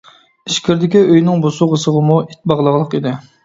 ئىچكىرىدىكى ئۆينىڭ بوسۇغىسىغىمۇ ئىت باغلاقلىق ئىدى.